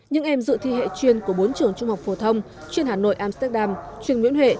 những em dự thi hệ chuyên của bốn trường trung học phổ thông chuyên hà nội amsterdam chuyên nguyễn huệ